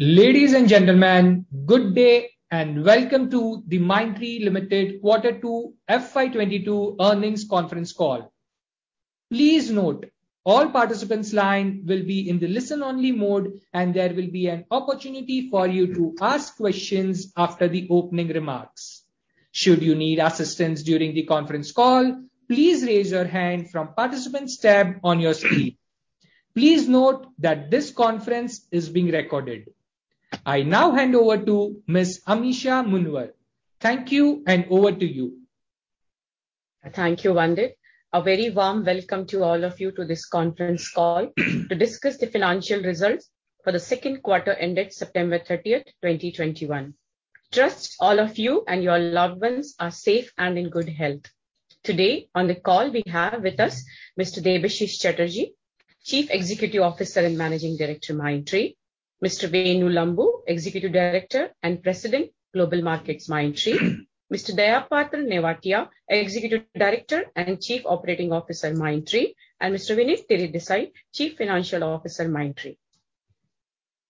Ladies and gentlemen, good day. Welcome to the Mindtree Limited quarter two FY 2022 earnings conference call. Please note all participants line will be in the listen only mode. There will be an opportunity for you to ask questions after the opening remarks. Should you need assistance during the conference call, please raise your hand from participants tab on your screen. Please note that this conference is being recorded. I now hand over to Ms. Amisha. Thank you. Over to you. Thank you, Ankit. A very warm welcome to all of you to this conference call to discuss the financial results for the second quarter ended September 30th, 2021. Trust all of you and your loved ones are safe and in good health. Today on the call we have with us Mr. Debashis Chatterjee, Chief Executive Officer and Managing Director, Mindtree. Mr. Venu Lambu, Executive Director and President, Global Markets, Mindtree. Mr. Dayapatra Nevatia, Executive Director and Chief Operating Officer, Mindtree, and Mr. Vinit Teredesai, Chief Financial Officer, Mindtree.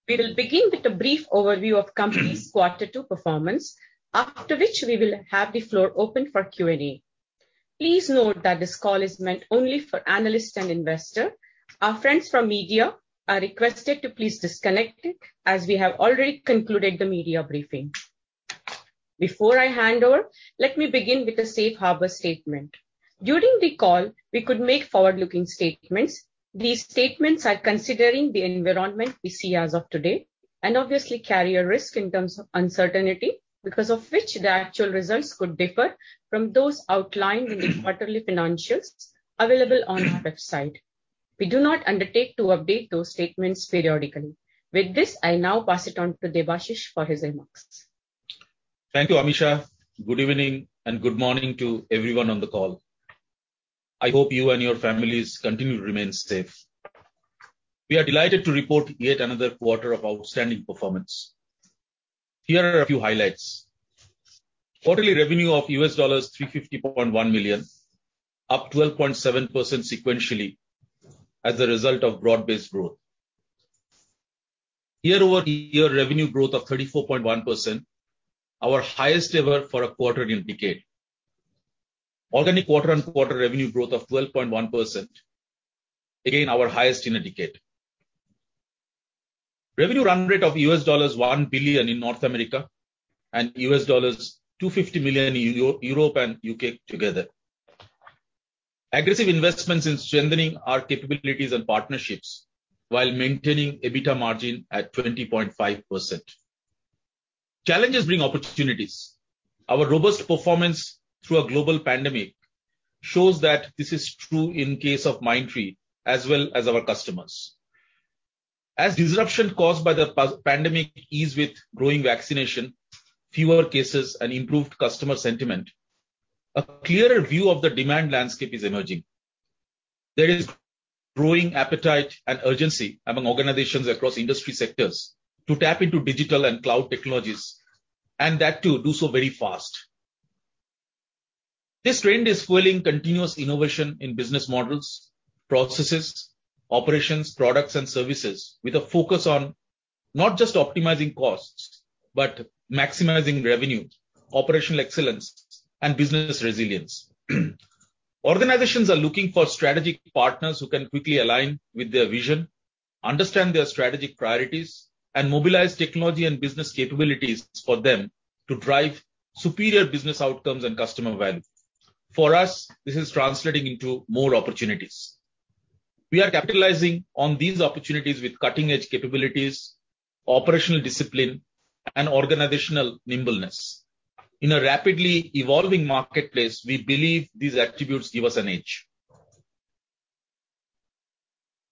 We will begin with a brief overview of company's quarter two performance, after which we will have the floor open for Q&A. Please note that this call is meant only for analysts and investor. Our friends from media are requested to please disconnect as we have already concluded the media briefing. Before I hand over, let me begin with a safe harbor statement. During the call, we could make forward-looking statements. These statements are considering the environment we see as of today and obviously carry a risk in terms of uncertainty, because of which the actual results could differ from those outlined in the quarterly financials available on our website. We do not undertake to update those statements periodically. With this, I now pass it on to Debashis for his remarks. Thank you, Amisha. Good evening and good morning to everyone on the call. I hope you and your families continue to remain safe. We are delighted to report yet another quarter of outstanding performance. Here are a few highlights. Quarterly revenue of $350.1 million, up 12.7% sequentially as a result of broad-based growth. Year-over-year revenue growth of 34.1%, our highest ever for a quarter in a decade. Organic quarter-on-quarter revenue growth of 12.1%, again our highest in a decade. Revenue run rate of $1 billion in North America and $250 million in Europe and U.K. together. Aggressive investments in strengthening our capabilities and partnerships while maintaining EBITDA margin at 20.5%. Challenges bring opportunities. Our robust performance through a global pandemic shows that this is true in case of Mindtree as well as our customers. As disruption caused by the pandemic ease with growing vaccination, fewer cases and improved customer sentiment, a clearer view of the demand landscape is emerging. There is growing appetite and urgency among organizations across industry sectors to tap into digital and cloud technologies, and that to do so very fast. This trend is fueling continuous innovation in business models, processes, operations, products, and services with a focus on not just optimizing costs, but maximizing revenue, operational excellence, and business resilience. Organizations are looking for strategic partners who can quickly align with their vision, understand their strategic priorities, and mobilize technology and business capabilities for them to drive superior business outcomes and customer value. For us, this is translating into more opportunities. We are capitalizing on these opportunities with cutting-edge capabilities, operational discipline, and organizational nimbleness. In a rapidly evolving marketplace, we believe these attributes give us an edge.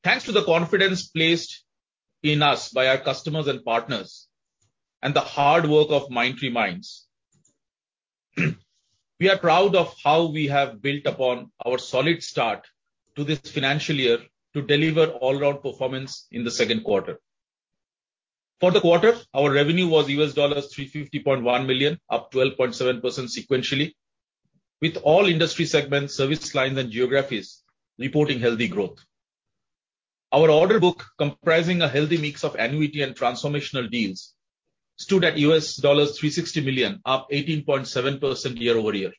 Thanks to the confidence placed in us by our customers and partners, and the hard work of Mindtree Minds, we are proud of how we have built upon our solid start to this financial year to deliver all-round performance in the second quarter. For the quarter, our revenue was $350.1 million, up 12.7% sequentially, with all industry segments, service lines, and geographies reporting healthy growth. Our order book, comprising a healthy mix of annuity and transformational deals, stood at $360 million, up 18.7% year-over-year.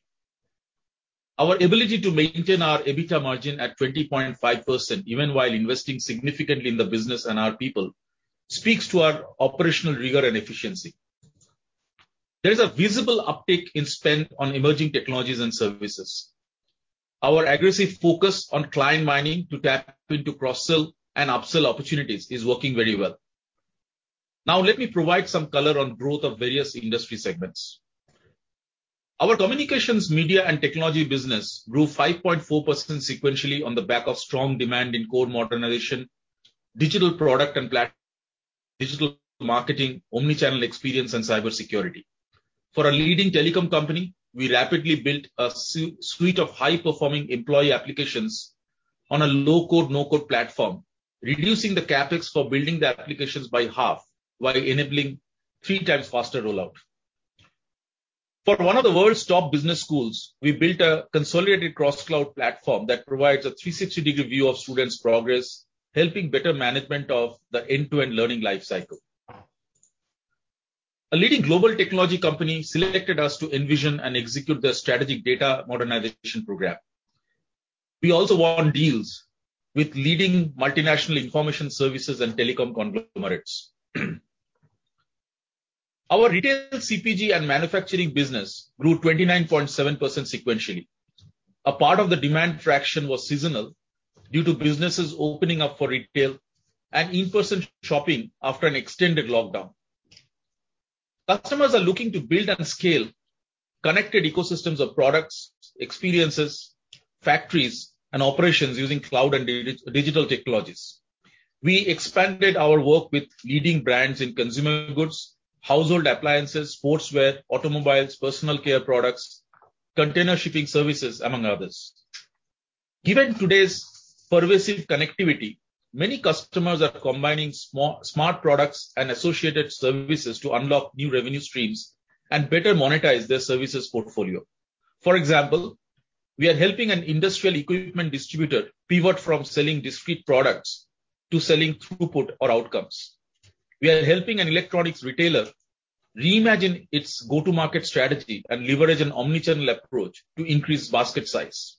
Our ability to maintain our EBITDA margin at 20.5%, even while investing significantly in the business and our people, speaks to our operational rigor and efficiency. There is a visible uptick in spend on emerging technologies and services. Our aggressive focus on client mining to tap into cross-sell and up-sell opportunities is working very well. Now let me provide some color on growth of various industry segments. Our Communications, Media, and Technology business grew 5.4% sequentially on the back of strong demand in core modernization, digital product and platform, digital marketing, omni-channel experience, and cybersecurity. For a leading telecom company, we rapidly built a suite of high-performing employee applications on a low-code/no-code platform, reducing the CapEx for building the applications by half while enabling 3x faster rollout. For one of the world's top business schools, we built a consolidated cross-cloud platform that provides a 360-degree view of students' progress, helping better management of the end-to-end learning life cycle. A leading global technology company selected us to envision and execute their strategic data modernization program. We also won deals with leading multinational information services and telecom conglomerates. Our Retail, CPG, and Manufacturing business grew 29.7% sequentially. A part of the demand traction was seasonal due to businesses opening up for retail and in-person shopping after an extended lockdown. Customers are looking to build and scale connected ecosystems of products, experiences, factories, and operations using cloud and digital technologies. We expanded our work with leading brands in consumer goods, household appliances, sportswear, automobiles, personal care products, container shipping services, among others. Given today's pervasive connectivity, many customers are combining smart products and associated services to unlock new revenue streams and better monetize their services portfolio. For example, we are helping an industrial equipment distributor pivot from selling discrete products to selling throughput or outcomes. We are helping an electronics retailer reimagine its go-to-market strategy and leverage an omnichannel approach to increase basket size.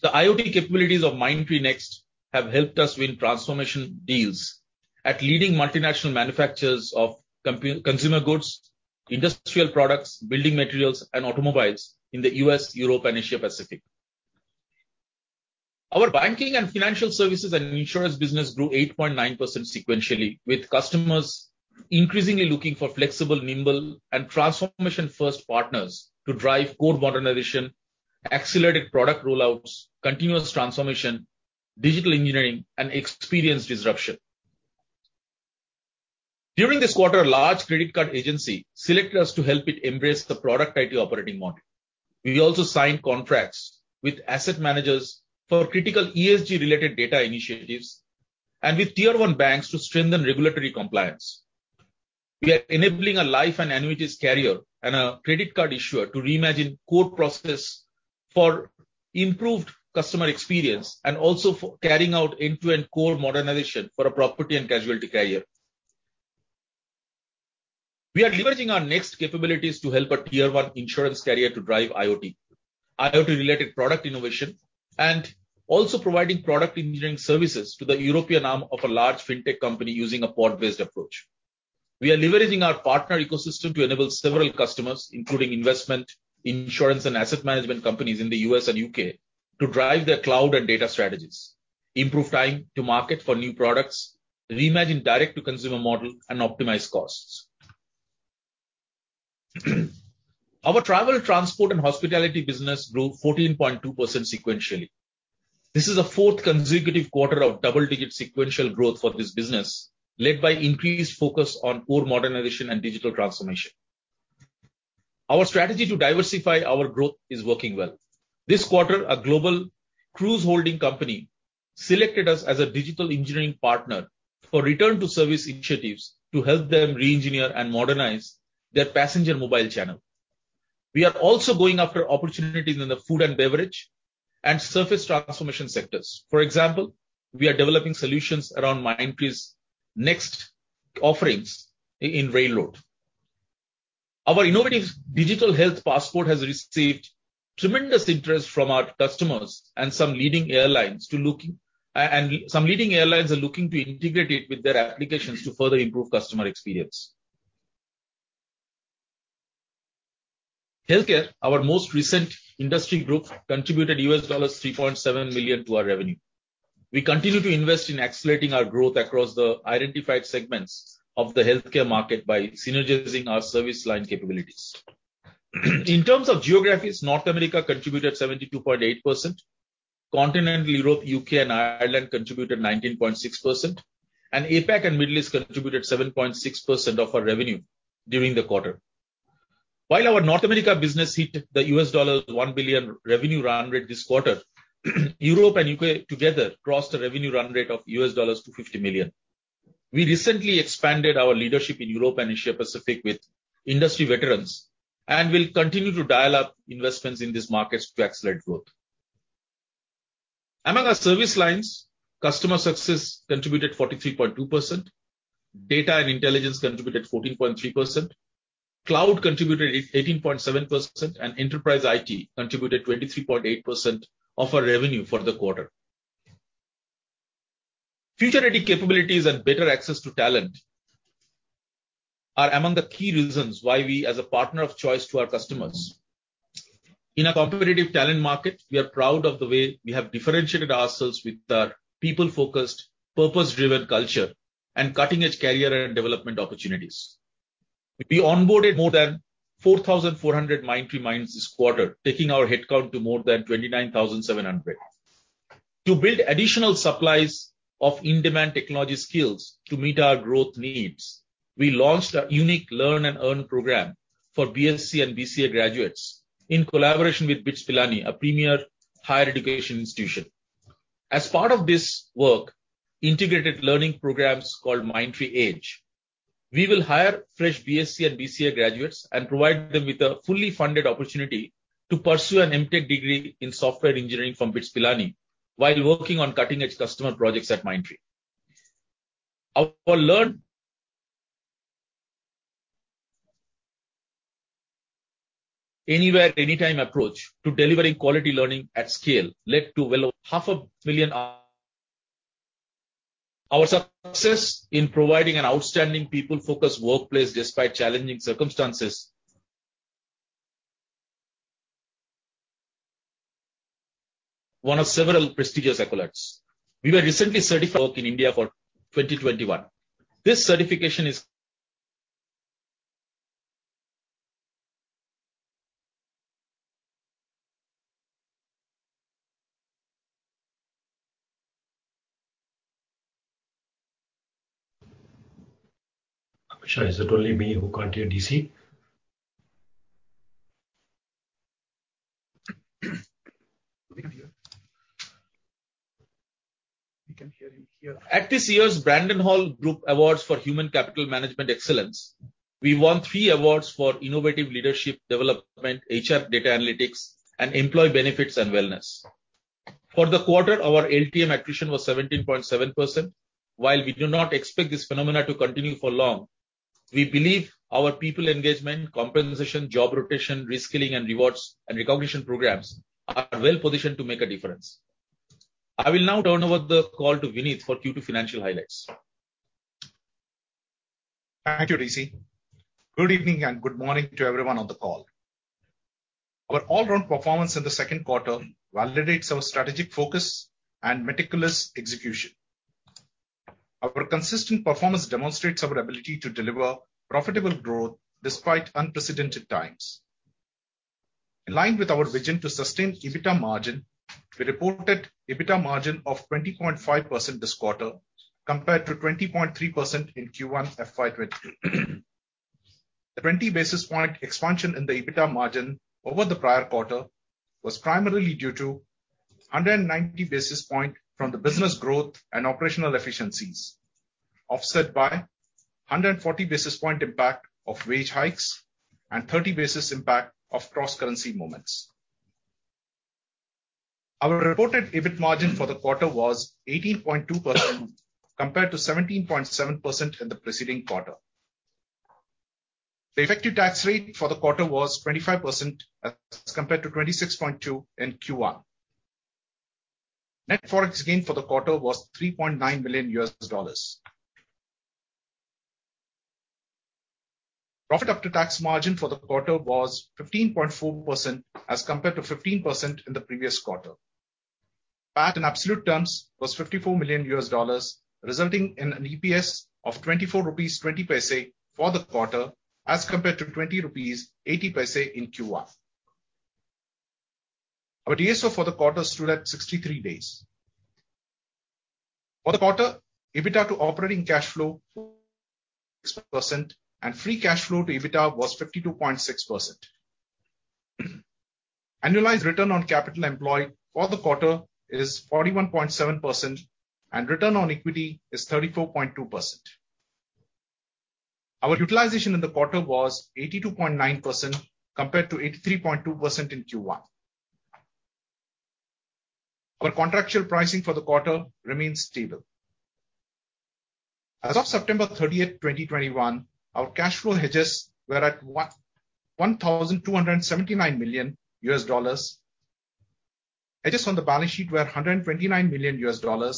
The IoT capabilities of Mindtree NxT have helped us win transformation deals at leading multinational manufacturers of consumer goods, industrial products, building materials, and automobiles in the U.S., Europe, and Asia-Pacific. Our banking and financial services and insurance business grew 8.9% sequentially, with customers increasingly looking for flexible, nimble, and transformation-first partners to drive core modernization, accelerated product rollouts, continuous transformation, digital engineering, and experience disruption. During this quarter, a large credit card agency selected us to help it embrace the product IT operating model. We also signed contracts with asset managers for critical ESG-related data initiatives and with tier 1 banks to strengthen regulatory compliance. We are enabling a life and annuities carrier and a credit card issuer to reimagine core process for improved customer experience and also for carrying out end-to-end core modernization for a property and casualty carrier. We are leveraging our Mindtree NxT capabilities to help a tier 1 insurance carrier to drive IoT-related product innovation, and also providing product engineering services to the European arm of a large fintech company using a pod-based approach. We are leveraging our partner ecosystem to enable several customers, including investment, insurance, and asset management companies in the U.S. and U.K. to drive their cloud and data strategies, improve time to market for new products, reimagine direct-to-consumer model, and optimize costs. Our travel, transport, and hospitality business grew 14.2% sequentially. This is the fourth consecutive quarter of double-digit sequential growth for this business, led by increased focus on core modernization and digital transformation. Our strategy to diversify our growth is working well. This quarter, a global cruise holding company selected us as a digital engineering partner for return-to-service initiatives to help them re-engineer and modernize their passenger mobile channel. We are also going after opportunities in the food and beverage and surface transportation sectors. For example, we are developing solutions around Mindtree NxT offerings in railroad. Our innovative digital health passport has received tremendous interest from our customers and some leading airlines are looking to integrate it with their applications to further improve customer experience. Healthcare, our most recent industry group, contributed $3.7 million to our revenue. We continue to invest in accelerating our growth across the identified segments of the healthcare market by synergizing our service line capabilities. In terms of geographies, North America contributed 72.8%, Continental Europe, U.K., and Ireland contributed 19.6%, and APAC and Middle East contributed 7.6% of our revenue during the quarter. While our North America business hit the $1 billion revenue run rate this quarter, Europe and U.K. together crossed a revenue run rate of $250 million. We recently expanded our leadership in Europe and Asia-Pacific with industry veterans and will continue to dial up investments in these markets to accelerate growth. Among our service lines, customer success contributed 43.2%, data and intelligence contributed 14.3%, cloud contributed 18.7%, and enterprise IT contributed 23.8% of our revenue for the quarter. Future-ready capabilities and better access to talent are among the key reasons why we as a partner of choice to our customers. In a competitive talent market, we are proud of the way we have differentiated ourselves with our people-focused, purpose-driven culture and cutting-edge career and development opportunities. We onboarded more than 4,400 Mindtree Minds this quarter, taking our headcount to more than 29,700. To build additional supplies of in-demand technology skills to meet our growth needs, we launched a unique learn and earn program for BSc and BCA graduates in collaboration with BITS Pilani, a premier higher education institution, as part of this work, integrated learning programs called Mindtree EDGE. We will hire fresh BSc and BCA graduates and provide them with a fully funded opportunity to pursue an MTech degree in software engineering from BITS Pilani while working on cutting-edge customer projects at Mindtree. Our learn anywhere, anytime approach to delivering quality learning at scale led to well over half a million hours. Our success in providing an outstanding people-focused workplace despite challenging circumstances, one of several prestigious accolades. We were recently certified in India for 2021. This certification is, Is it only me who can't hear DC? We can hear. We can hear him here. At this year's Brandon Hall Group Awards for Human Capital Management Excellence, we won three awards for innovative leadership development, HR data analytics, and employee benefits and wellness. For the quarter, our LTM attrition was 17.7%. While we do not expect this phenomenon to continue for long, we believe our people engagement, compensation, job rotation, reskilling and rewards and recognition programs are well-positioned to make a difference. I will now turn over the call to Vinit for Q2 financial highlights. Thank you, DC. Good evening and good morning to everyone on the call. Our all round performance in the second quarter validates our strategic focus and meticulous execution. Our consistent performance demonstrates our ability to deliver profitable growth despite unprecedented times. In line with our vision to sustain EBITDA margin, we reported EBITDA margin of 20.5% this quarter, compared to 20.3% in Q1 FY22. The 20 basis point expansion in the EBITDA margin over the prior quarter was primarily due to 190 basis point from the business growth and operational efficiencies, offset by 140 basis point impact of wage hikes and 30 basis impact of cross-currency movements. Our reported EBIT margin for the quarter was 18.2% compared to 17.7% in the preceding quarter. The effective tax rate for the quarter was 25% as compared to 26.2% in Q1. Net Forex gain for the quarter was $3.9 million. Profit after tax margin for the quarter was 15.4% as compared to 15% in the previous quarter. PAT in absolute terms was $54 million, resulting in an EPS of 24.20 rupees for the quarter as compared to 20.80 rupees in Q1. Our DSO for the quarter stood at 63 days. For the quarter, EBITDA to operating cash flow percent and free cash flow to EBITDA was 52.6%. Annualized return on capital employed for the quarter is 41.7% and return on equity is 34.2%. Our utilization in the quarter was 82.9% compared to 83.2% in Q1. Our contractual pricing for the quarter remains stable. As of September 30, 2021, our cash flow hedges were at $1,279 million. Hedges on the balance sheet were $129 million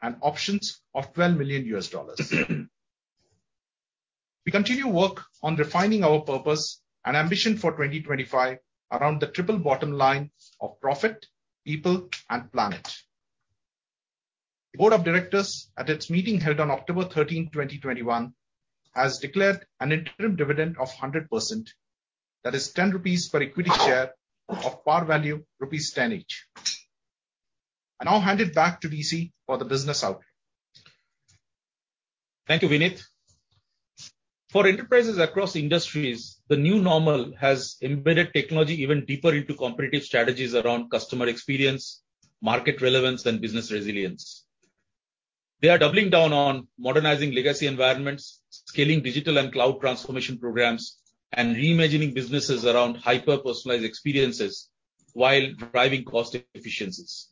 and options of $12 million. We continue work on refining our purpose and ambition for 2025 around the triple bottom line of profit, people, and planet. The Board of Directors at its meeting held on October 13, 2021, has declared an interim dividend of 100%. That is 10 rupees per equity share of par value rupees 10 each. I'll hand it back to DC for the business outlook. Thank you, Vinit. For enterprises across industries, the new normal has embedded technology even deeper into competitive strategies around customer experience, market relevance, and business resilience. They are doubling down on modernizing legacy environments, scaling digital and cloud transformation programs, and reimagining businesses around hyper-personalized experiences while driving cost efficiencies.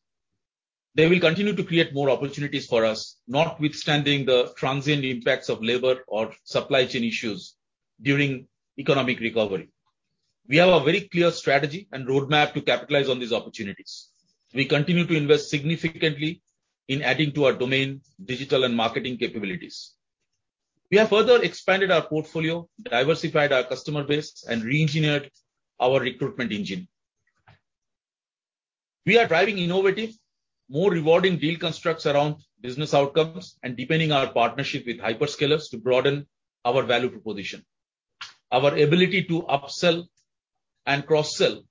They will continue to create more opportunities for us, notwithstanding the transient impacts of labor or supply chain issues during economic recovery. We have a very clear strategy and roadmap to capitalize on these opportunities. We continue to invest significantly in adding to our domain digital and marketing capabilities. We have further expanded our portfolio, diversified our customer base, and reengineered our recruitment engine. We are driving innovative, more rewarding deal constructs around business outcomes and deepening our partnership with hyperscalers to broaden our value proposition. Our ability to upsell and cross-sell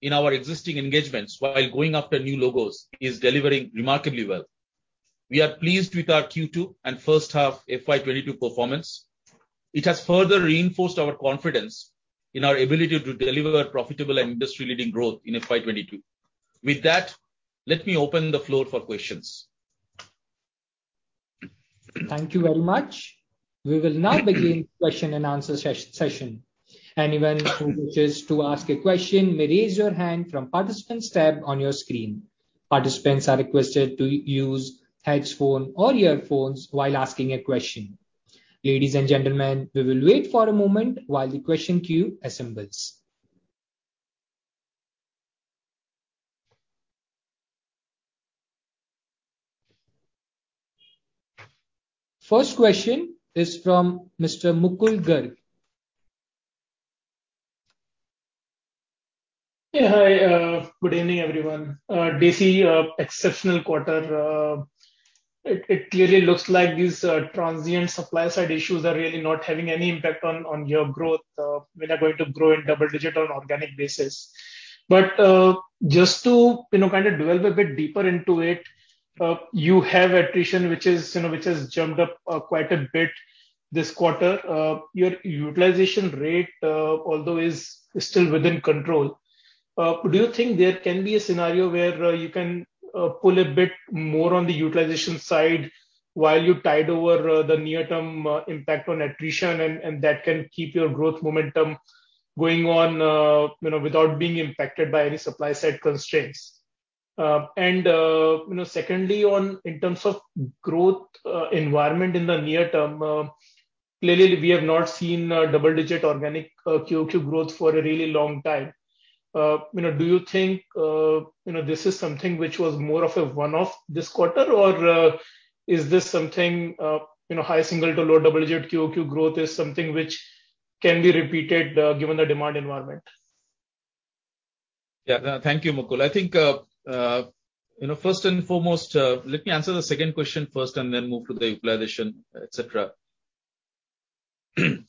in our existing engagements while going after new logos is delivering remarkably well. We are pleased with our Q2 and first half FY 2022 performance. It has further reinforced our confidence in our ability to deliver profitable and industry-leading growth in FY 2022. With that, let me open the floor for questions. Thank you very much. We will now begin question-and-answer session. Anyone who wishes to ask a question may raise your hand from participants tab on your screen. Participants are requested to use headphone or earphones while asking a question. Ladies and gentlemen, we will wait for a moment while the question queue assembles. First question is from Mr. Mukul Garg. Yeah, hi. Good evening, everyone. DC, exceptional quarter. It clearly looks like these transient supply side issues are really not having any impact on your growth. You are going to grow in double-digit on organic basis. Just to kind of delve a bit deeper into it, you have attrition, which has jumped up quite a bit this quarter. Your utilization rate, although, is still within control. Do you think there can be a scenario where you can pull a bit more on the utilization side while you tide over the near-term impact on attrition and that can keep your growth momentum going on without being impacted by any supply side constraints? Secondly, in terms of growth environment in the near term, clearly, we have not seen double-digit organic QOQ growth for a really long time. Do you think this is something which was more of a one-off this quarter or is this something, high single to low double-digit QOQ growth is something which can be repeated given the demand environment? Yeah. Thank you, Mukul. I think first and foremost, let me answer the second question first and then move to the utilization, et cetera. The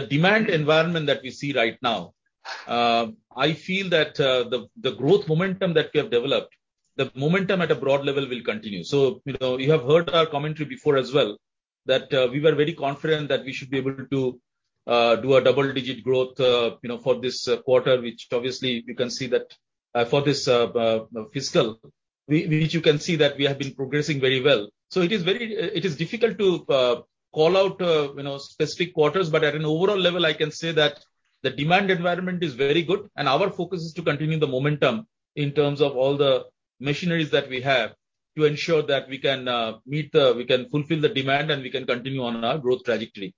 demand environment that we see right now, I feel that the growth momentum that we have developed, the momentum at a broad level will continue. You have heard our commentary before as well, that we were very confident that we should be able to do a double-digit growth for this quarter, which obviously you can see that for this fiscal, which you can see that we have been progressing very well. It is difficult to call out specific quarters. At an overall level, I can say that the demand environment is very good, and our focus is to continue the momentum in terms of all the machineries that we have to ensure that we can fulfill the demand, and we can continue on our growth trajectory.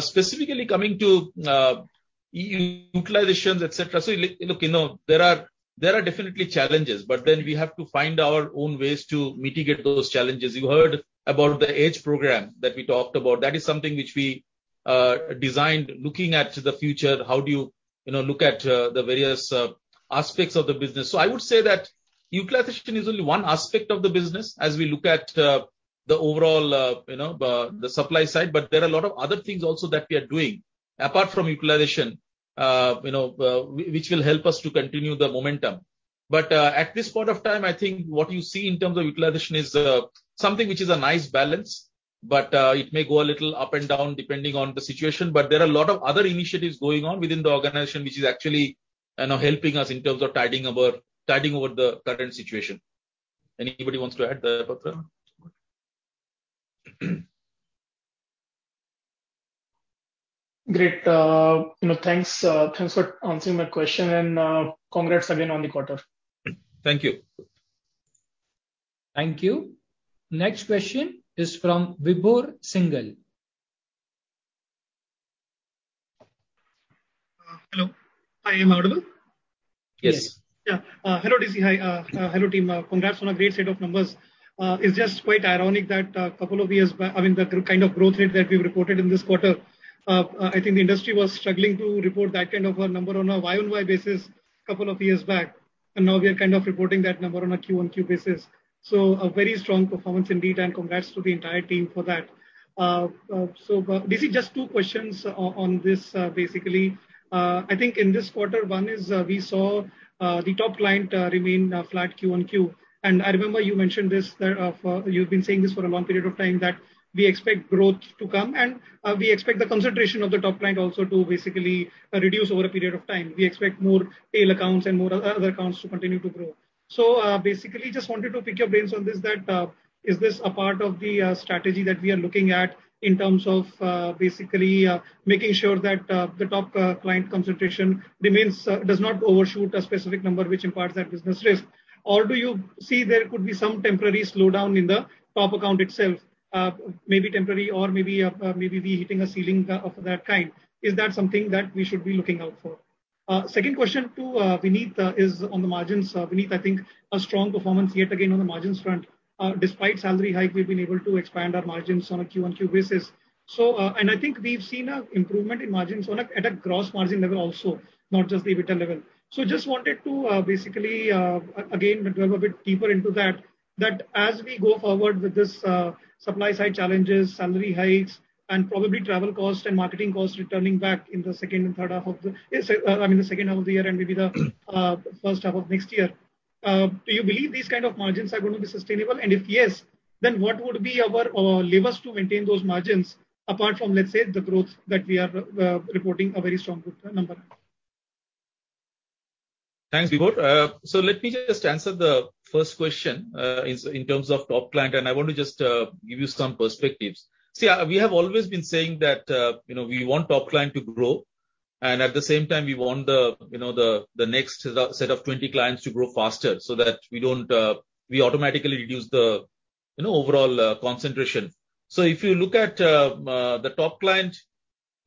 Specifically coming to utilizations, et cetera. Look, there are definitely challenges, we have to find our own ways to mitigate those challenges. You heard about the Mindtree EDGE program that we talked about. That is something which we designed looking at the future, how do you look at the various aspects of the business. I would say that utilization is only one aspect of the business as we look at the overall supply side. There are a lot of other things also that we are doing apart from utilization which will help us to continue the momentum. At this point of time, I think what you see in terms of utilization is something which is a nice balance. It may go a little up and down depending on the situation. There are a lot of other initiatives going on within the organization, which is actually helping us in terms of tiding over the current situation. Anybody wants to add there? Great. Thanks for answering my question, and congrats again on the quarter. Thank you. Thank you. Next question is from Vibhor Singhal. Hello, hi. Am I audible? Yes. Yeah. Hello, DC. Hi. Hello, team. Congrats on a great set of numbers. It's just quite ironic that couple of years back, I mean, the kind of growth rate that we reported in this quarter, I think the industry was struggling to report that kind of a number on a Y-on-Y basis couple of years back, and now we are kind of reporting that number on a Q-on-Q basis. A very strong performance indeed, and congrats to the entire team for that. DC, just two questions on this, basically. I think in this quarter, one is we saw the top client remain flat Q-on-Q. I remember you mentioned this, you've been saying this for a long period of time, that we expect growth to come and we expect the concentration of the top client also to basically reduce over a period of time. We expect more tail accounts and more other accounts to continue to grow. Basically, just wanted to pick your brains on this, that is this a part of the strategy that we are looking at in terms of basically making sure that the top client concentration does not overshoot a specific number which imparts that business risk, or do you see there could be some temporary slowdown in the top account itself, maybe temporary or maybe we hitting a ceiling of that kind? Is that something that we should be looking out for? Second question, too, Vinit, is on the margins. Vinit, I think a strong performance yet again on the margins front. Despite salary hike, we've been able to expand our margins on a Q-on-Q basis. I think we've seen an improvement in margins at a gross margin level also, not just the EBITDA level. Just wanted to basically, again, delve a bit deeper into that as we go forward with this supply side challenges, salary hikes, and probably travel cost and marketing cost returning back in the second half of the year and maybe the first half of next year. Do you believe these kind of margins are going to be sustainable? If yes, then what would be our levers to maintain those margins apart from, let's say, the growth that we are reporting a very strong number? Thanks, Vibhor. Let me just answer the first question in terms of top client, and I want to just give you some perspectives. We have always been saying that we want top client to grow. At the same time, we want the next set of 20 clients to grow faster so that we automatically reduce the overall concentration. If you look at the top client,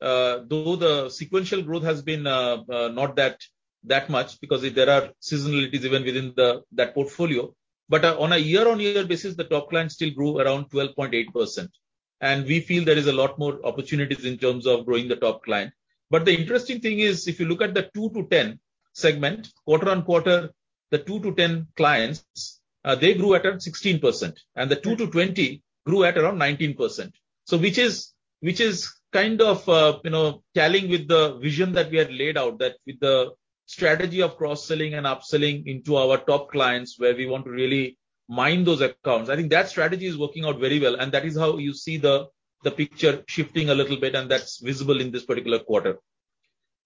though the sequential growth has been not that much because there are seasonalities even within that portfolio. On a year-on-year basis, the top client still grew around 12.8%. We feel there is a lot more opportunities in terms of growing the top client. The interesting thing is, if you look at the 2-10 segment, quarter-over-quarter, the 2-10 clients, they grew at around 16%, and the 2-20 grew at around 19%. Which is telling with the vision that we had laid out that with the strategy of cross-selling and upselling into our top clients where we want to really mine those accounts. I think that strategy is working out very well, and that is how you see the picture shifting a little bit, and that's visible in this particular quarter.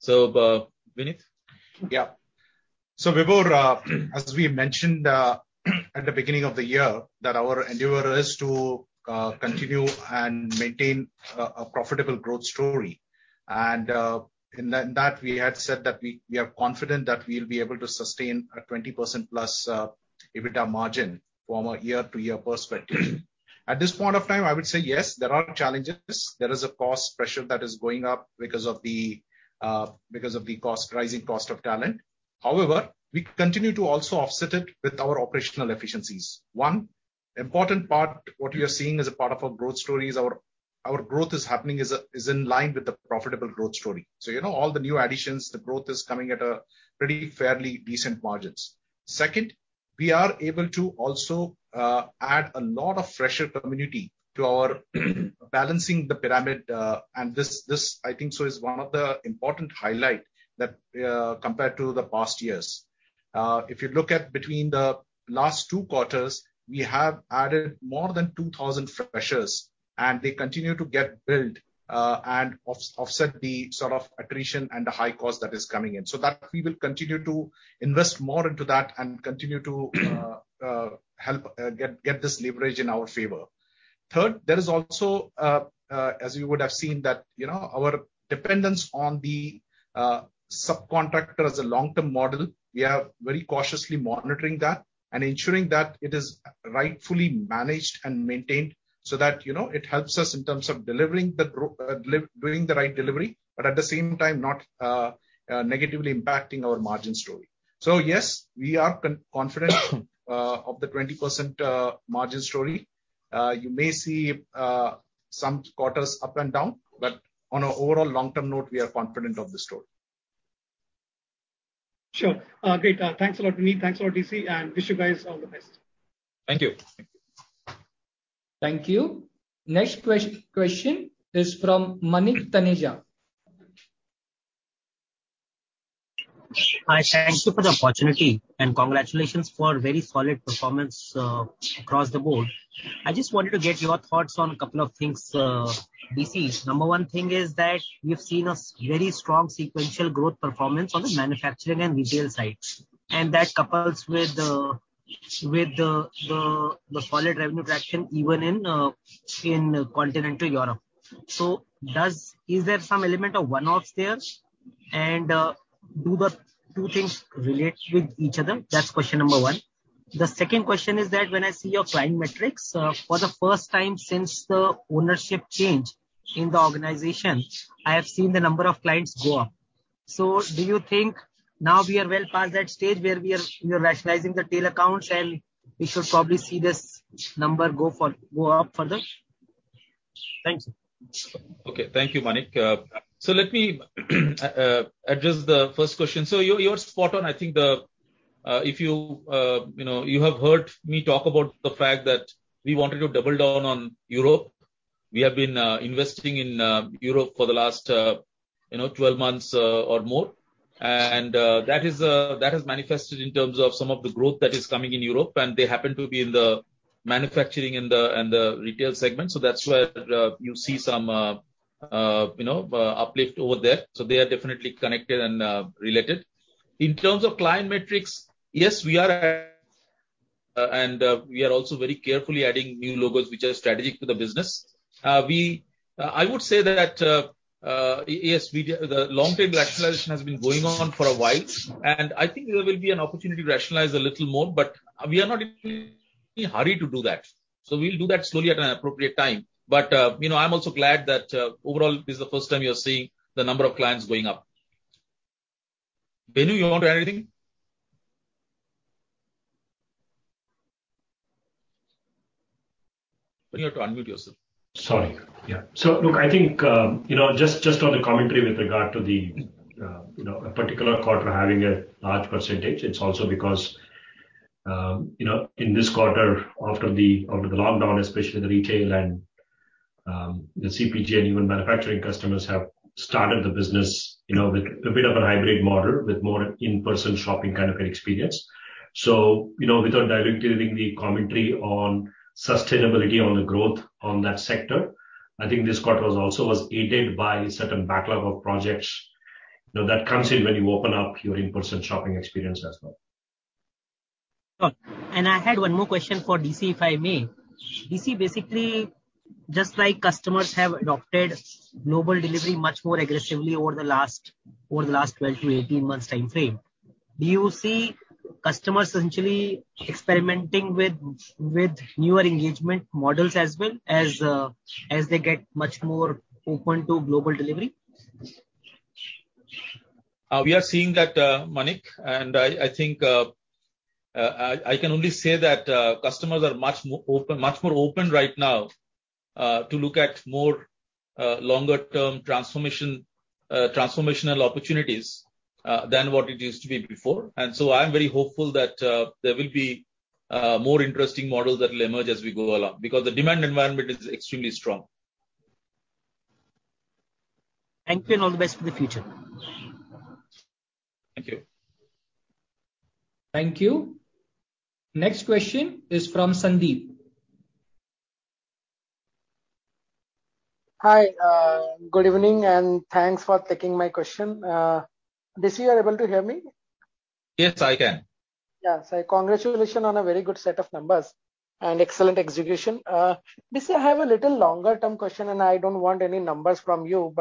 Vinit? Vibhor, as we mentioned at the beginning of the year that our endeavor is to continue and maintain a profitable growth story. In that, we had said that we are confident that we'll be able to sustain a 20%+ EBITDA margin from a year-to-year perspective. At this point of time, I would say yes, there are challenges. There is a cost pressure that is going up because of the rising cost of talent. However, we continue to also offset it with our operational efficiencies. One important part, what we are seeing as a part of our growth story is our growth is happening in line with the profitable growth story. All the new additions, the growth is coming at a pretty fairly decent margins. Second, we are able to also add a lot of fresher community to our balancing the pyramid. This, I think so is one of the important highlight compared to the past years. If you look at between the last two quarters, we have added more than 2,000 freshers, and they continue to get built and offset the attrition and the high cost that is coming in. That we will continue to invest more into that and continue to help get this leverage in our favor. Third, there is also as you would have seen that our dependence on the subcontractor as a long-term model, we are very cautiously monitoring that and ensuring that it is rightfully managed and maintained so that it helps us in terms of doing the right delivery, but at the same time, not negatively impacting our margin story. Yes, we are confident of the 20% margin story. You may see some quarters up and down, but on an overall long-term note, we are confident of the story. Sure. Great. Thanks a lot, Vinit. Thanks a lot, DC. Wish you guys all the best. Thank you. Thank you. Thank you. Next question is from Manik Taneja. Hi. Thank you for the opportunity and congratulations for very solid performance across the board. I just wanted to get your thoughts on two things, DC. The first thing is that we've seen a very strong sequential growth performance on the manufacturing and retail side. That couples with the solid revenue traction even in Continental Europe. Is there some element of one-offs there? Do the two things relate with each other? That's question number one. The second question is that when I see your client metrics, for the first time since the ownership change in the organization, I have seen the number of clients go up. Do you think now we are well past that stage where we are rationalizing the tail accounts, and we should probably see this number go up further? Thanks. Okay. Thank you, Manik. Let me address the first question. You're spot on. I think you have heard me talk about the fact that we wanted to double down on Europe. We have been investing in Europe for the last 12 months or more. That has manifested in terms of some of the growth that is coming in Europe, and they happen to be in the manufacturing and the retail segment. That's where you see some uplift over there. They are definitely connected and related. In terms of client metrics, yes, we are and we are also very carefully adding new logos which are strategic to the business. I would say that, yes, the long-term rationalization has been going on for a while, and I think there will be an opportunity to rationalize a little more, but we are not in any hurry to do that. We'll do that slowly at an appropriate time. I'm also glad that overall, this is the first time you're seeing the number of clients going up. Venu, you want to add anything? Venu, you have to unmute yourself. Sorry. Yeah. Look, I think just on the commentary with regard to the particular quarter having a large percentage, it's also because in this quarter after the lockdown, especially the retail and the CPG and even manufacturing customers have started the business with a bit of a hybrid model with more in-person shopping kind of an experience. Without directly giving the commentary on sustainability on the growth on that sector, I think this quarter also was aided by certain backlog of projects that comes in when you open up your in-person shopping experience as well. I had one more question for D.C., if I may. D.C., basically, just like customers have adopted global delivery much more aggressively over the last 12-18 months time frame, do you see customers essentially experimenting with newer engagement models as well as they get much more open to global delivery? We are seeing that, Manik. I think I can only say that customers are much more open right now to look at more longer term transformational opportunities, than what it used to be before. I am very hopeful that there will be more interesting models that will emerge as we go along because the demand environment is extremely strong. Thank you and all the best for the future. Thank you. Thank you. Next question is from Sandeep. Hi. Good evening, thanks for taking my question. DC, you are able to hear me? Yes, I can. Yeah. Congratulations on a very good set of numbers and excellent execution. DC, I have a little longer term question, and I don't want any numbers from you.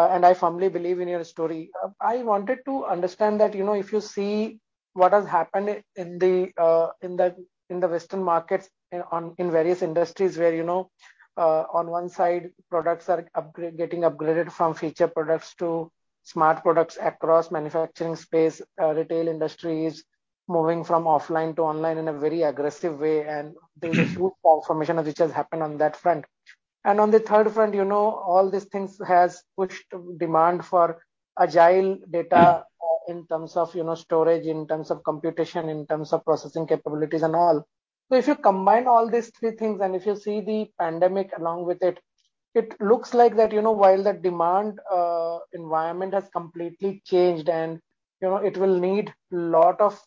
I firmly believe in your story. I wanted to understand that if you see what has happened in the western markets in various industries where, on one side, products are getting upgraded from feature products to smart products across manufacturing space. Retail industries moving from offline to online in a very aggressive way. There is a huge transformation which has happened on that front. On the third front, all these things has pushed demand for agile data in terms of storage, in terms of computation, in terms of processing capabilities and all. If you combine all these three things and if you see the pandemic along with it looks like that while the demand environment has completely changed and it will need lot of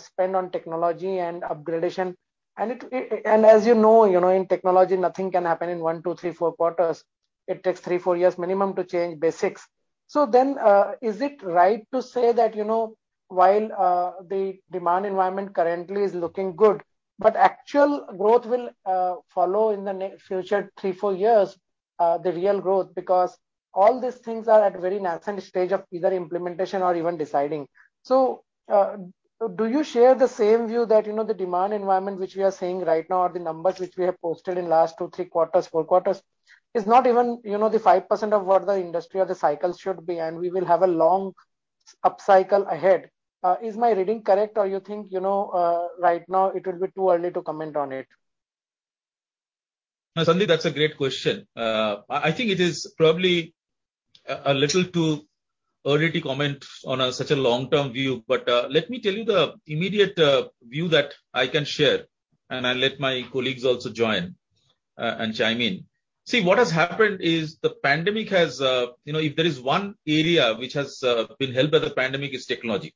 spend on technology and upgradation. As you know, in technology nothing can happen in one, two, three, four quarters. It takes three, four years minimum to change basics. Is it right to say that while the demand environment currently is looking good, but actual growth will follow in the future three, four years, the real growth, because all these things are at very nascent stage of either implementation or even deciding. Do you share the same view that the demand environment which we are seeing right now or the numbers which we have posted in last two, three quarters, four quarters is not even the 5% of what the industry or the cycle should be, and we will have a long upcycle ahead. Is my reading correct or you think right now it would be too early to comment on it? Sandeep, that's a great question. I think it is probably a little too early to comment on such a long-term view. Let me tell you the immediate view that I can share, and I'll let my colleagues also join and chime in. See, what has happened is if there is one area which has been helped by the pandemic is technology.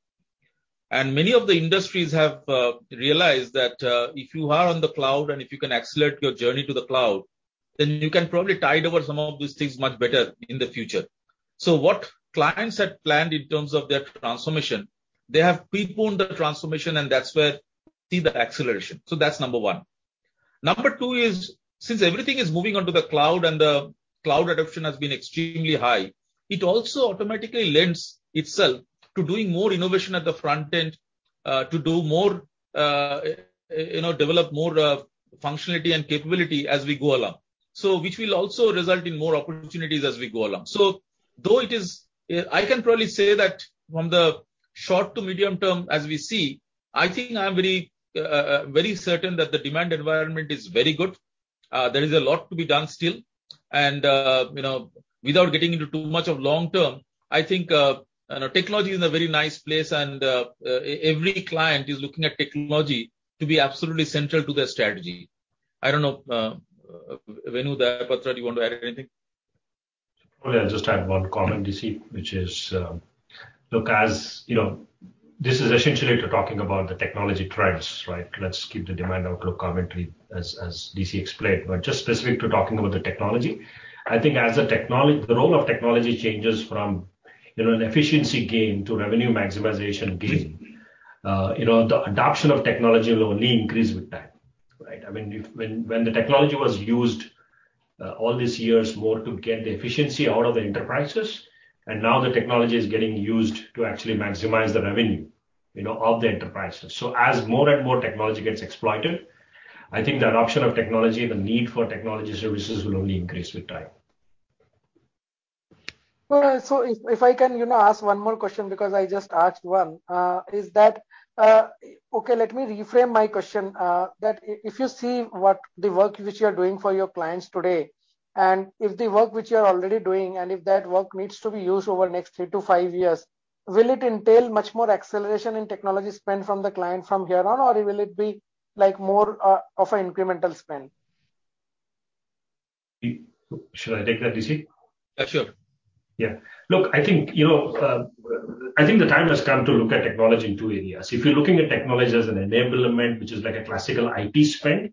Many of the industries have realized that if you are on the cloud and if you can accelerate your journey to the cloud, then you can probably tide over some of these things much better in the future. What clients had planned in terms of their transformation, they have postponed the transformation and that's where see the acceleration. That's number one. Number two is since everything is moving onto the cloud and the cloud adoption has been extremely high, it also automatically lends itself to doing more innovation at the front end to develop more functionality and capability as we go along. Which will also result in more opportunities as we go along. Though I can probably say that from the short to medium term as we see, I think I'm very certain that the demand environment is very good. There is a lot to be done still. Without getting into too much of long term, I think technology is in a very nice place and every client is looking at technology to be absolutely central to their strategy. I don't know. Venu, do you want to add anything? Probably I'll just add one comment, DC. Which is. Look, as you know, this is essentially talking about the technology trends, right? Let's keep the demand outlook commentary as DC explained. Just specific to talking about the technology, I think as the role of technology changes from an efficiency gain to revenue maximization gain. The adoption of technology will only increase with time, right? I mean, when the technology was used all these years more to get the efficiency out of the enterprises, now the technology is getting used to actually maximize the revenue of the enterprises. As more and more technology gets exploited, I think the adoption of technology, the need for technology services will only increase with time. Well, if I can ask one more question because I just asked one. Okay, let me reframe my question. If you see what the work which you are doing for your clients today, and if the work which you are already doing and if that work needs to be used over next three to five years. Will it entail much more acceleration in technology spend from the client from here on, or will it be more of an incremental spend? Should I take that, DC? Sure. Yeah. Look, I think the time has come to look at technology in two areas. If you're looking at technology as an enablement, which is like a classical IT spend,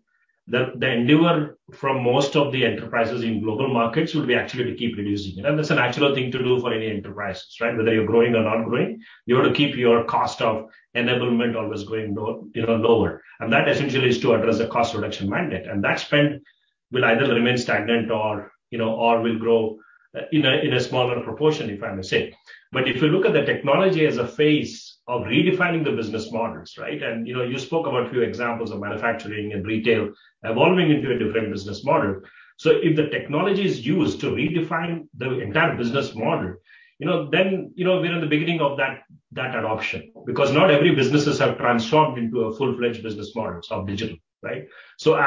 the endeavor from most of the enterprises in global markets will be actually to keep reducing it. That's a natural thing to do for any enterprises, right? Whether you're growing or not growing, you want to keep your cost of enablement always going lower. That essentially is to address the cost reduction mandate. That spend will either remain stagnant or will grow in a smaller proportion, if I may say. If you look at the technology as a phase of redefining the business models, right, and you spoke about a few examples of manufacturing and retail evolving into a different business model. If the technology is used to redefine the entire business model, then we're in the beginning of that adoption, because not every businesses have transformed into a full-fledged business models of digital, right?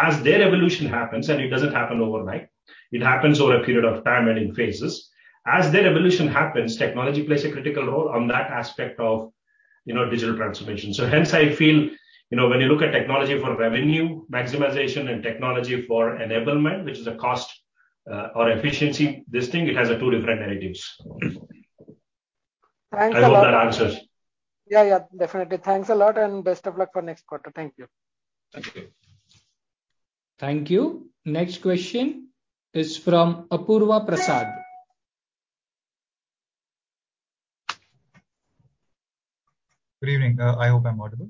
As their evolution happens, and it doesn't happen overnight, it happens over a period of time and in phases. As their evolution happens, technology plays a critical role on that aspect of digital transformation. Hence, I feel, when you look at technology for revenue maximization and technology for enablement, which is a cost or efficiency this thing, it has two different narratives. Thanks a lot. I hope that answers. Yeah. Definitely. Thanks a lot and best of luck for next quarter. Thank you. Thank you. Thank you. Next question is from Apurva Prasad. Good evening. I hope I'm audible.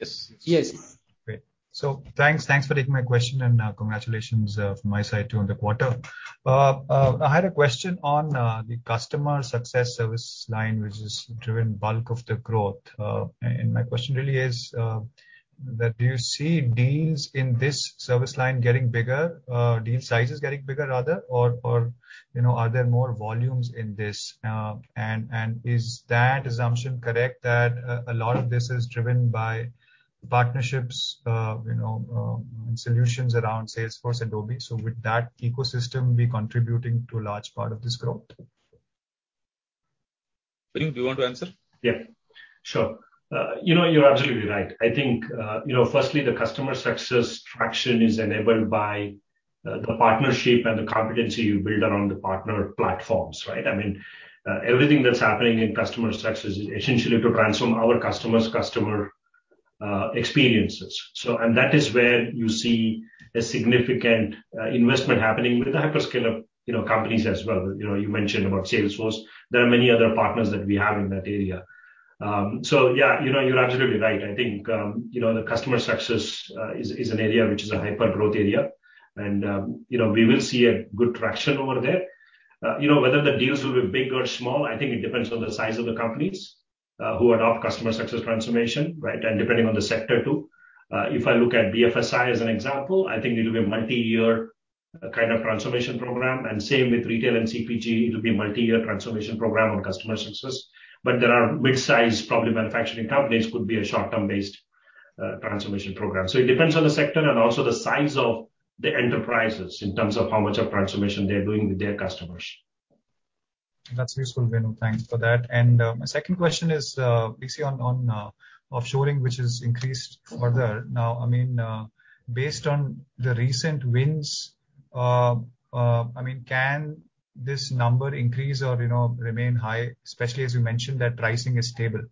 Yes. Yes. Great. Thanks for taking my question, and congratulations from my side too on the quarter. I had a question on the customer success service line, which has driven bulk of the growth. My question really is that do you see deals in this service line getting bigger, deal sizes getting bigger rather? Or are there more volumes in this? Is that assumption correct, that a lot of this is driven by partnerships, and solutions around Salesforce, Adobe? Would that ecosystem be contributing to a large part of this growth? Venu, do you want to answer? Yeah. Sure. You're absolutely right. I think firstly, the customer success traction is enabled by the partnership and the competency you build around the partner platforms, right? Everything that's happening in customer success is essentially to transform our customer's customer experiences. That is where you see a significant investment happening with the hyperscale of companies as well. You mentioned about Salesforce. There are many other partners that we have in that area. Yeah, you're absolutely right. I think the customer success is an area which is a hyper-growth area, and we will see a good traction over there. Whether the deals will be big or small, I think it depends on the size of the companies who adopt customer success transformation, right? Depending on the sector too. If I look at BFSI as an example, I think it'll be a multi-year kind of transformation program. Same with retail and CPG, it'll be a multi-year transformation program on customer success. There are mid-size, probably manufacturing companies, could be a short-term based transformation program. It depends on the sector and also the size of the enterprises in terms of how much of transformation they're doing with their customers. That's useful, Venu. Thanks for that. My second question is, D.C., on offshoring, which has increased further now. Based on the recent wins, can this number increase or remain high, especially as you mentioned that pricing is stable?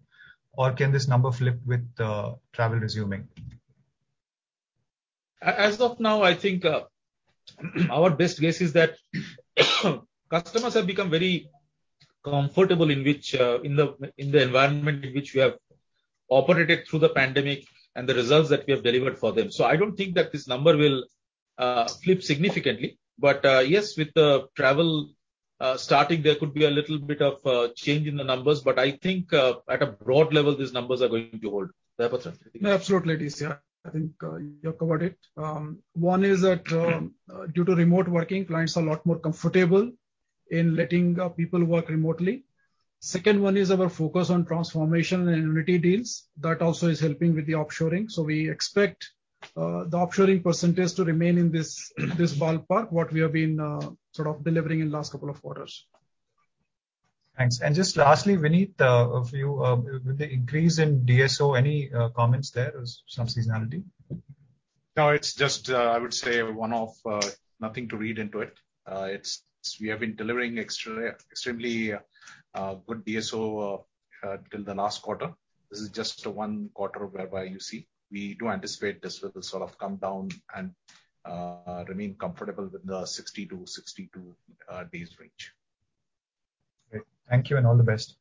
Can this number flip with travel resuming? As of now, I think our best guess is that customers have become very comfortable in the environment in which we have operated through the pandemic, and the results that we have delivered for them. I don't think that this number will flip significantly. But yes, with travel starting, there could be a little bit of a change in the numbers. I think at a broad level, these numbers are going to hold. Yeah, Dayapatra? No, absolutely, DC. I think you have covered it. One is that due to remote working, clients are a lot more comfortable in letting people work remotely. Second one is our focus on transformation and annuity deals. That also is helping with the offshoring. We expect the offshoring percentage to remain in this ballpark, what we have been sort of delivering in last couple of quarters. Thanks. Just lastly, Vinit, with the increase in DSO, any comments there? Some seasonality? No, it's just, I would say, a one-off. Nothing to read into it. We have been delivering extremely good DSO till the last quarter. This is just one quarter whereby you see. We do anticipate this will sort of come down and remain comfortable with the 60-62 days range. Great. Thank you and all the best.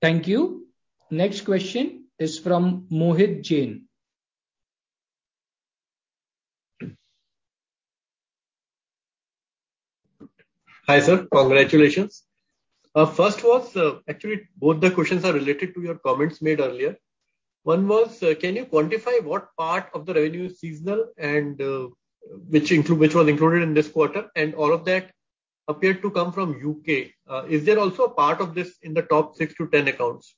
Thank you. Next question is from Mohit Jain. Hi, sir. Congratulations. First was, actually, both the questions are related to your comments made earlier. One was, can you quantify what part of the revenue is seasonal and which was included in this quarter? All of that appeared to come from U.K. Is there also a part of this in the top 6-10 accounts?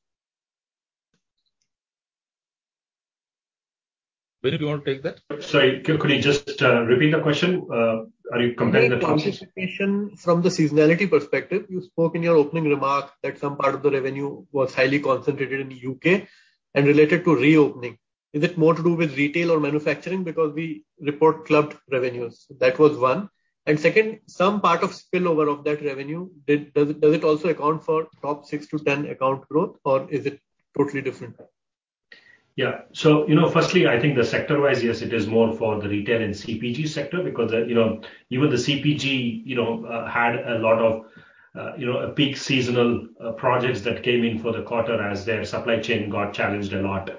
Vinit, do you want to take that? Sorry, could you just repeat the question? Are you comparing? From the seasonality perspective, you spoke in your opening remarks that some part of the revenue was highly concentrated in the U.K. and related to reopening. Is it more to do with retail or manufacturing? Because we report clubbed revenues. That was one. Second, some part of spillover of that revenue, does it also account for top 6-10 account growth or is it totally different? Yeah. Firstly, I think the sector-wise, yes, it is more for the retail and CPG sector because even the CPG had a lot of peak seasonal projects that came in for the quarter as their supply chain got challenged a lot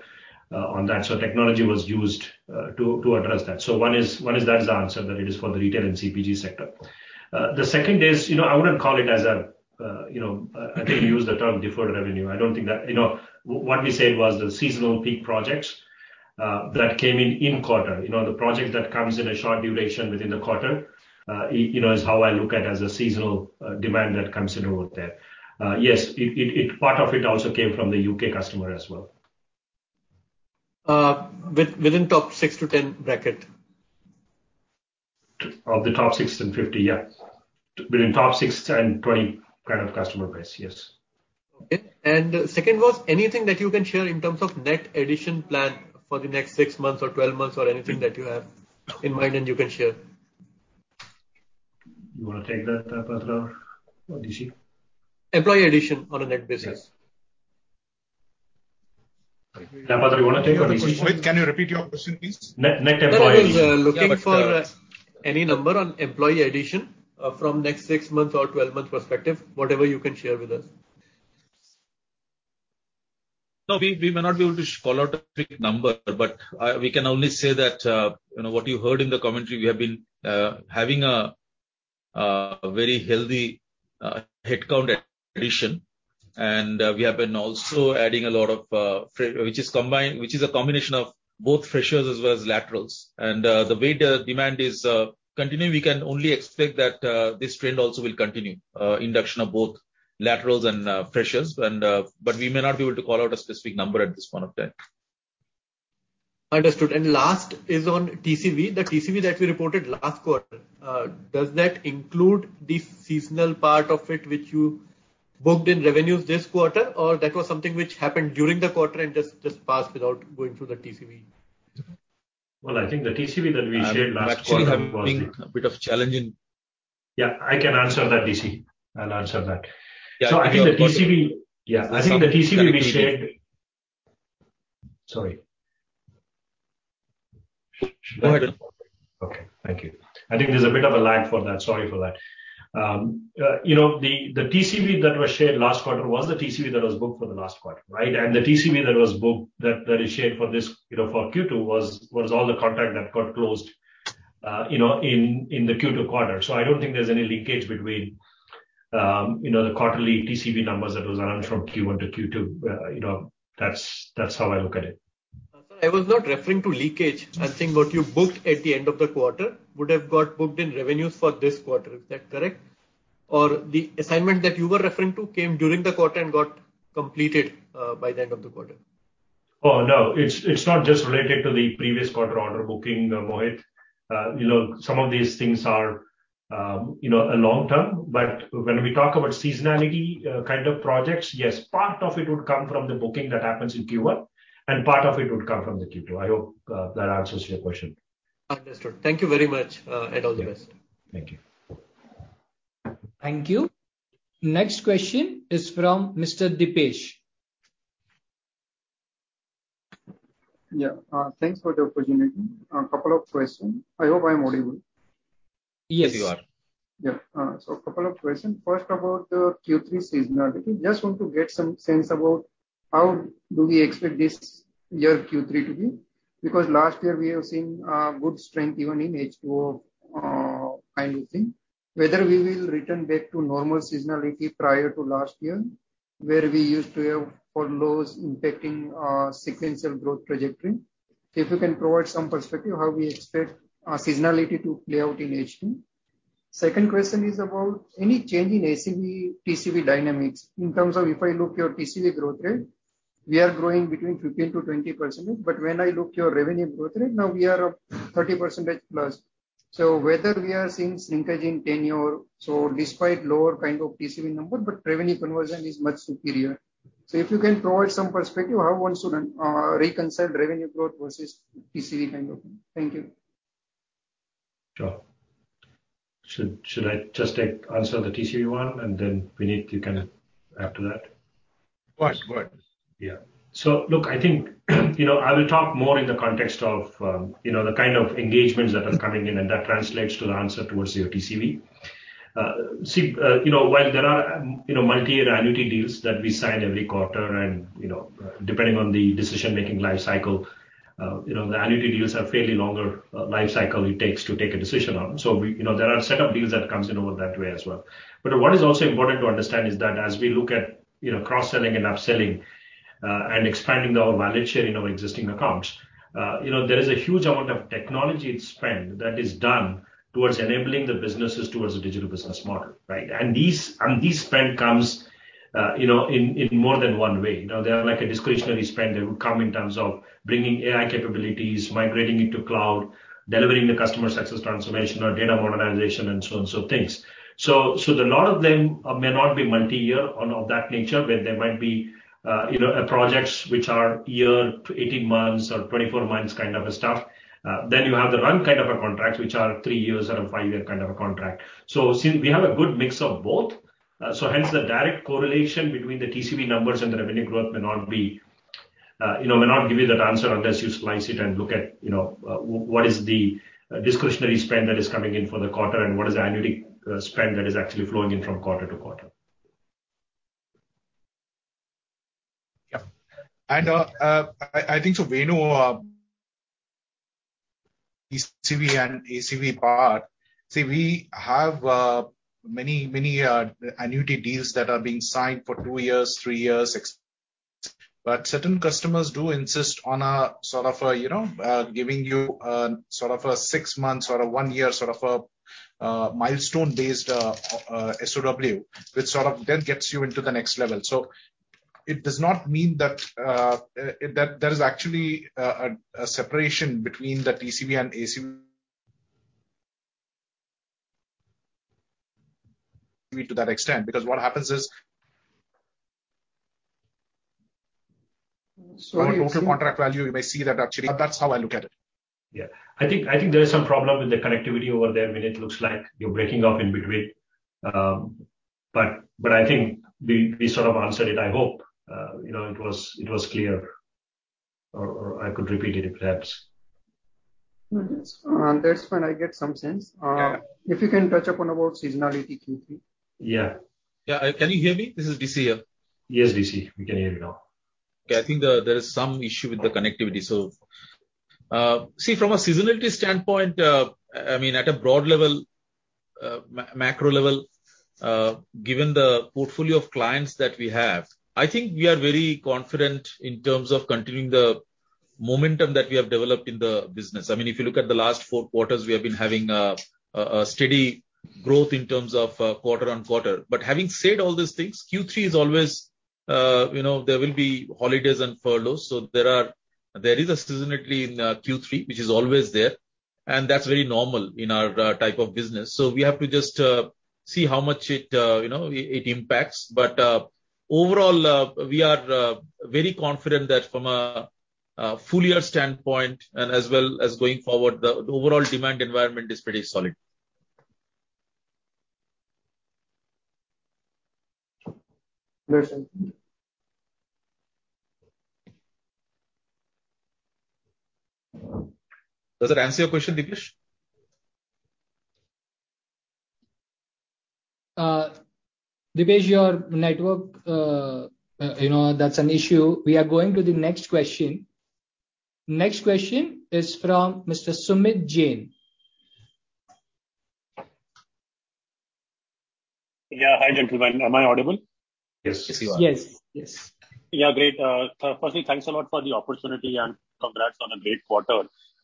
on that. Technology was used to address that. One is that is the answer, that it is for the retail and CPG sector. The second is, I couldn't use the term deferred revenue. I don't think that what we said was the seasonal peak projects that came in in quarter. The project that comes in a short duration within the quarter is how I look at as a seasonal demand that comes in over there. Yes, part of it also came from the U.K. customer as well. Within top 6-10 bracket. Of the top six and 50. Within top six and 20 customer base. Okay. Second was anything that you can share in terms of net addition plan for the next six months or 12 months or anything that you have in mind and you can share? You want to take that, Deyapatra or DC? Employee addition on a net basis. Yeah. Dayapatra, you want to take or DC? Mohit, can you repeat your question, please? Net employee addition. I was looking for any number on employee addition from next six month or 12 month perspective, whatever you can share with us. No, we may not be able to call out a specific number, but we can only say that, what you heard in the commentary, we have been having a very healthy headcount addition. We have been also adding a lot of which is a combination of both freshers as well as laterals. The way the demand is continuing, we can only expect that this trend also will continue, induction of both laterals and freshers. We may not be able to call out a specific number at this point of time. Understood. Last is on TCV. The TCV that we reported last quarter, does that include the seasonal part of it which you booked in revenues this quarter or that was something which happened during the quarter and just passed without going through the TCV? Well, I think the TCV that we shared last quarter was. I'm actually having a bit of challenge in. Yeah, I can answer that, DC. I'll answer that. Yeah. I think the TCV we shared. Sorry. Go ahead. Okay. Thank you. I think there's a bit of a lag for that. Sorry for that. The TCV that was shared last quarter was the TCV that was booked for the last quarter, right? The TCV that is shared for Q2 was all the contract that got closed in the Q2 quarter. I don't think there's any leakage between the quarterly TCV numbers that was run from Q1 to Q2. That's how I look at it. Sir, I was not referring to leakage. I think what you booked at the end of the quarter would have got booked in revenues for this quarter. Is that correct? The assignment that you were referring to came during the quarter and got completed by the end of the quarter? Oh, no. It's not just related to the previous quarter order booking, Mohit. Some of these things are long-term. When we talk about seasonality kind of projects, yes, part of it would come from the booking that happens in Q1, and part of it would come from the Q2. I hope that answers your question. Understood. Thank you very much, and all the best. Thank you. Thank you. Next question is from Mr. Dipesh. Yeah. Thanks for the opportunity. A couple of questions. I hope I'm audible. Yes, you are. Yeah. Couple of questions. First, about the Q3 seasonality. Just want to get some sense about how do we expect this year Q3 to be, because last year we have seen good strength even in H2 kind of thing. Whether we will return back to normal seasonality prior to last year, where we used to have four lows impacting our sequential growth trajectory. If you can provide some perspective how we expect our seasonality to play out in H2. Second question is about any change in ACV, TCV dynamics in terms of if I look your TCV growth rate, we are growing between 15%-20%. When I look your revenue growth rate, now we are up 30%+. Whether we are seeing shrinkage in tenure, despite lower kind of TCV number, but revenue conversion is much superior. If you can provide some perspective how one should reconcile revenue growth versus TCV kind of thing. Thank you. Sure. Should I just answer the TCV one, and then Vinit, you can after that? Go ahead. Look, I think I will talk more in the context of the kind of engagements that are coming in, and that translates to the answer towards your TCV. While there are multi-year annuity deals that we sign every quarter and depending on the decision-making life cycle, the annuity deals have fairly longer life cycle it takes to take a decision on. There are a set of deals that comes in over that way as well. What is also important to understand is that as we look at cross-selling and upselling and expanding our value sharing of existing accounts, there is a huge amount of technology spend that is done towards enabling the businesses towards a digital business model, right? These spend comes in more than one way. They are like a discretionary spend that would come in terms of bringing AI capabilities, migrating into cloud, delivering the customer success transformation or data modernization, and so and so things. A lot of them may not be multi-year or of that nature, where there might be projects which are one year to 18 months or 24 months kind of stuff. You have the run kind of a contract, which are three years or a five-year kind of a contract. We have a good mix of both. Hence the direct correlation between the TCV numbers and the revenue growth may not give you that answer unless you slice it and look at what is the discretionary spend that is coming in for the quarter and what is the annuity spend that is actually flowing in from quarter to quarter. Yeah. I think so Venu, TCV and ACV part, see, we have many annuity deals that are being signed for two years, three years. Certain customers do insist on sort of giving you a six months or a one year sort of a milestone-based SOW, which sort of then gets you into the next level. It does not mean that there is actually a separation between the TCV and ACV to that extent. Sorry- For total contract value, you may see that actually. That's how I look at it. Yeah. I think there is some problem with the connectivity over there, Venu. It looks like you're breaking up in between. I think we sort of answered it. I hope. It was clear. I could repeat it, if perhaps. No, that's fine. I get some sense. Yeah. If you can touch upon about seasonality Q3? Yeah. Yeah. Can you hear me? This is DC here. Yes, DC. We can hear you now. Okay, I think there is some issue with the connectivity. See, from a seasonality standpoint, at a broad level, macro level, given the portfolio of clients that we have, I think we are very confident in terms of continuing the momentum that we have developed in the business. If you look at the last four quarters, we have been having a steady growth in terms of quarter-on-quarter. Having said all those things, Q3 is always, there will be holidays and furloughs. There is a seasonality in Q3, which is always there, and that's very normal in our type of business. We have to just see how much it impacts. Overall, we are very confident that from a full year standpoint and as well as going forward, the overall demand environment is pretty solid. Yes, sir. Does that answer your question, Dipesh? Dipesh, your network, that is an issue. We are going to the next question. Next question is from Mr. Sumit Jain. Yeah. Hi, gentlemen. Am I audible? Yes. Yes, you are. Yes. Yeah. Great. Firstly, thanks a lot for the opportunity and congrats on a great quarter.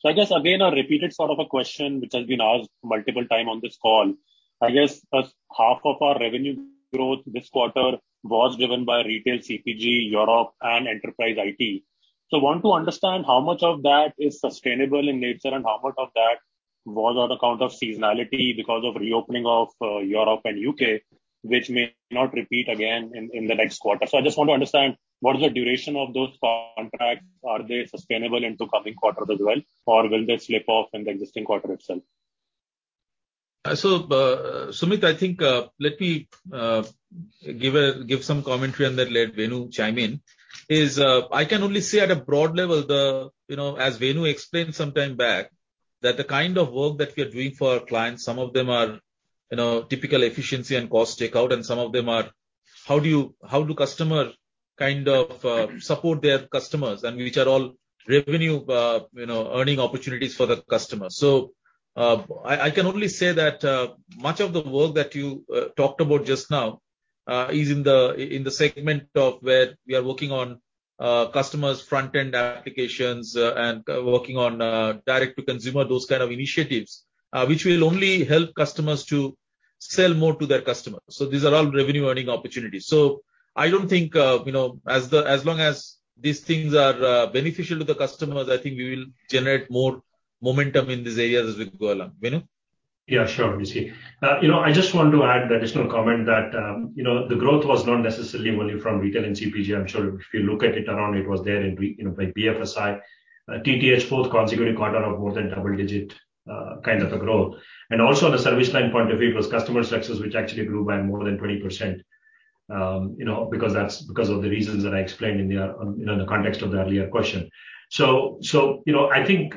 I guess again, a repeated sort of a question which has been asked multiple times on this call. I guess as half of our revenue growth this quarter was driven by retail CPG, Europe and enterprise IT. Want to understand how much of that is sustainable in nature and how much of that was on account of seasonality because of reopening of Europe and U.K., which may not repeat again in the next quarter. I just want to understand what is the duration of those contracts. Are they sustainable into coming quarters as well, or will they slip off in the existing quarter itself? Sumit, I think let me give some commentary on that, let Venu chime in. I can only say at a broad level, as Venu explained some time back, that the kind of work that we are doing for our clients, some of them are typical efficiency and cost takeout and some of them are how do customer kind of support their customers, and which are all revenue-earning opportunities for the customer. I can only say that much of the work that you talked about just now is in the segment of where we are working on customers' front-end applications and working on direct-to-consumer, those kind of initiatives, which will only help customers to sell more to their customers. These are all revenue-earning opportunities. I don't think, as long as these things are beneficial to the customers, I think we will generate more momentum in these areas as we go along. Venu? Yeah, sure. We see. I just want to add the additional comment that the growth was not necessarily only from retail and CPG. I'm sure if you look at it around, it was there in BFSI. TTH, fourth consecutive quarter of more than double digit kind of a growth. Also the service line point of view, it was customer success, which actually grew by more than 20%, because of the reasons that I explained in the context of the earlier question. I think,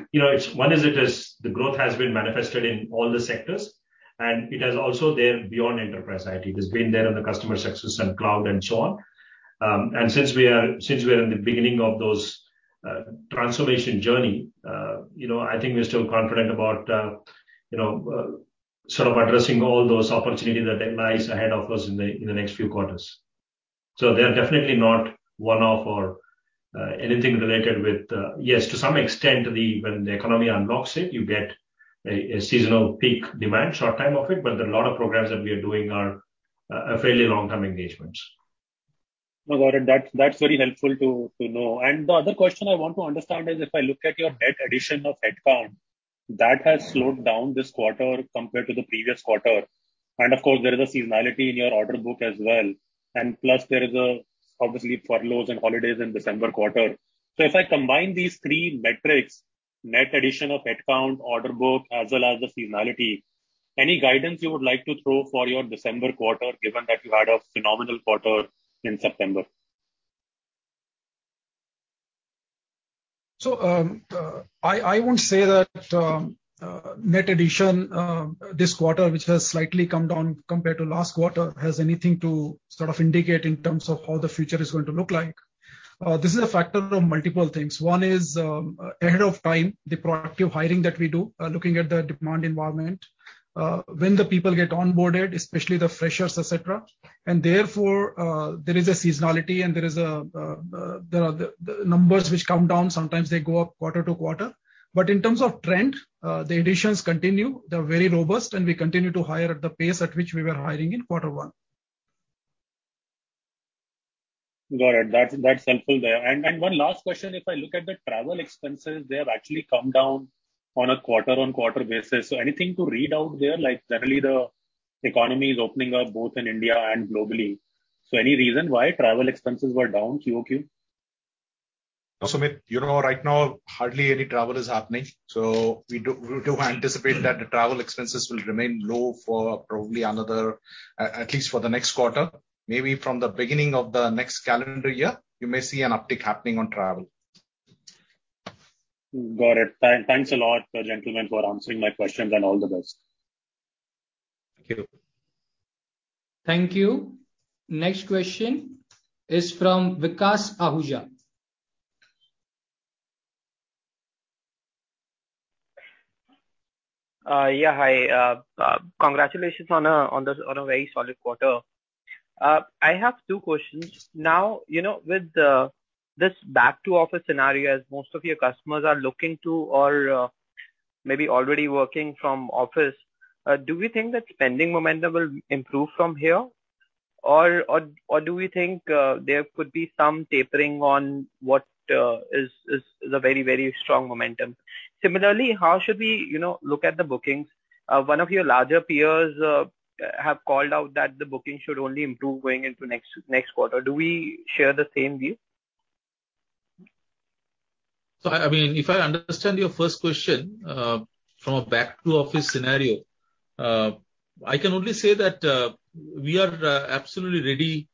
one is it is the growth has been manifested in all the sectors, and it has also there beyond enterprise IT. It has been there on the customer success and cloud and so on. Since we are in the beginning of those transformation journey, I think we're still confident about sort of addressing all those opportunities that lies ahead of us in the next few quarters. They're definitely not one-off or anything related with. Yes, to some extent, when the economy unlocks it, you get a seasonal peak demand, short time of it, but a lot of programs that we are doing are fairly long-term engagements. No, got it. That's very helpful to know. The other question I want to understand is if I look at your net addition of headcount, that has slowed down this quarter compared to the previous quarter. Of course, there is a seasonality in your order book as well. Plus, there is obviously furloughs and holidays in December quarter. If I combine these three metrics, net addition of headcount, order book, as well as the seasonality, any guidance you would like to throw for your December quarter, given that you had a phenomenal quarter in September? I won't say that net addition this quarter, which has slightly come down compared to last quarter, has anything to sort of indicate in terms of how the future is going to look like. This is a factor of multiple things. One is ahead of time, the proactive hiring that we do, looking at the demand environment. When the people get onboarded, especially the freshers, et cetera. Therefore, there is a seasonality, and there are the numbers which come down. Sometimes they go up quarter to quarter. In terms of trend, the additions continue. They're very robust, and we continue to hire at the pace at which we were hiring in Q1. Got it. That's helpful there. One last question. If I look at the travel expenses, they have actually come down on a quarter-on-quarter basis. Anything to read out there? Generally, the economy is opening up both in India and globally. Any reason why travel expenses were down QOQ? No, Sumit, right now hardly any travel is happening. We do anticipate that the travel expenses will remain low for probably at least for the next quarter. Maybe from the beginning of the next calendar year, you may see an uptick happening on travel. Got it. Thanks a lot, gentlemen, for answering my questions, and all the best. Thank you. Thank you. Next question is from Vikas Ahuja. Yeah, hi. Congratulations on a very solid quarter. I have two questions. With this back to office scenario, as most of your customers are looking to or maybe already working from office, do we think that spending momentum will improve from here? Do we think there could be some tapering on what is a very strong momentum? Similarly, how should we look at the bookings? One of your larger peers have called out that the booking should only improve going into next quarter. Do we share the same view? If I understand your first question, from a back to office scenario, I can only say that we are absolutely ready